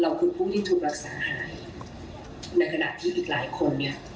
เราคือผู้ที่ถูกรักษาในขณะที่อีกหลายคนเนี่ย